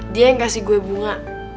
dia yang kasih gue bunga